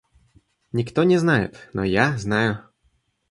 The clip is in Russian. Никто не знает, но я знаю.